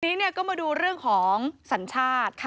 ทีนี้ก็มาดูเรื่องของสัญชาติ